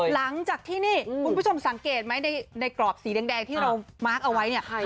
หลังจากที่นี่คุณผู้ชมสังเกตไหมในกรอบสีแดงที่เรามาร์คเอาไว้เนี่ย